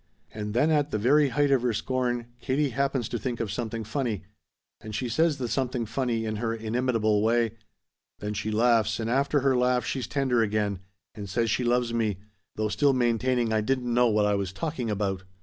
"And then at the very height of her scorn, Katie happens to think of something funny. And she says the something funny in her inimitable way. Then she laughs, and after her laugh she's tender again, and says she loves me, though still maintaining I didn't know what I was talking about!